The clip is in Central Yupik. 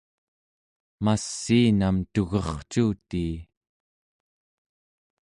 massiinam tugercuutii